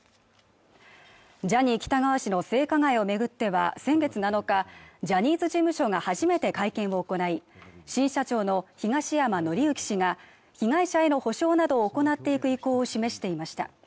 ジャニー喜多川氏の性加害を巡っては、先月７日ジャニーズ事務所が初めて会見を行い、新社長の東山紀之氏が、被害者への補償などを行っていく意向を示していました。